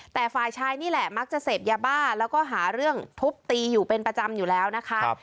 แต่ฝ่ายชายนี่แหละมักจะเสพยาบ้าแล้วก็หาเรื่องทุบตีอยู่เป็นประจำอยู่แล้วนะคะ